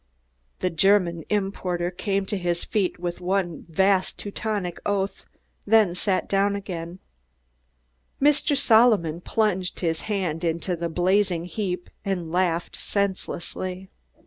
The German importer came to his feet with one vast Teutonic oath, then sat down again; Mr. Solomon plunged his hand into the blazing heap and laughed senselessly.